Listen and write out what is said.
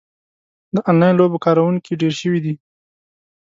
د انلاین لوبو کاروونکي ډېر شوي دي.